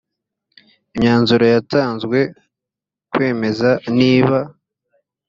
imyanzuro yatanzwe kwemeza niba